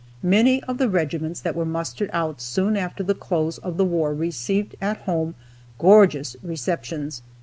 Many of the regiments that were mustered out soon after the close of the war received at home gorgeous receptions.